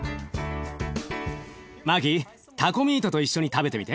マキタコミートと一緒に食べてみて。